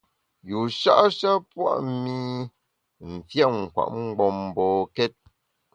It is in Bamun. Yusha’ sha pua’ mi mfiét nkwet mgbom mbokét.